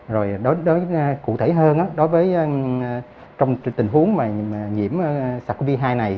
rồi cụ thể hơn trong tình huống nhiễm sars cov hai này